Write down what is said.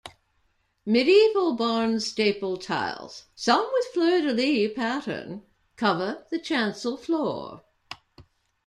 Medieval Barnstaple tiles, some with fleur-de-lys pattern, cover the chancel floor.